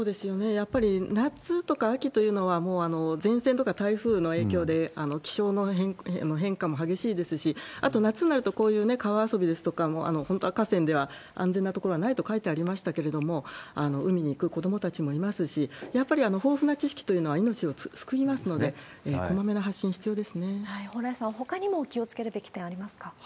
やっぱり夏とか秋というのは、もう前線とか台風の影響で気象の変化も激しいですし、あと夏になると、こういう川遊びですとか、本当は河川では安全な所はないと書いてありましたけれども、海に行く子どもたちもいますし、やっぱり豊富な知識というのは命を救いますので、蓬莱さん、ほかにも気をつけるべき点ありますか？